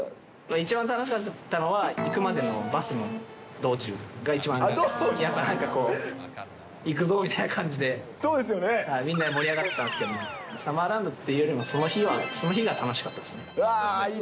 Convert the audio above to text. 一番楽しかったのは、行くまでのバスの道中が一番、やっぱなんかこう、そうですよね。みんなで盛り上がったんですけど、サマーランドっていうよりも、その日が楽しかったですね。